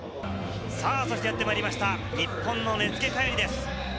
そして、やってまいりました、日本の根附海龍です。